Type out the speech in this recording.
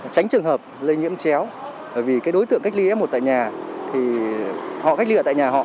tránh trường hợp lây nhiễm chéo vì cái đối tượng cách ly f một tại nhà thì họ cách ly tại nhà họ